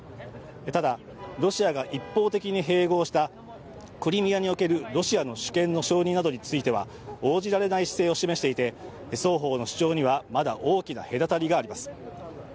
ただ、ロシアが一方的に併合したクリミアにおけるロシアの主権の承認などについては応じられない姿勢を示していて、双方の主張にはまだ大きな隔たりがあります。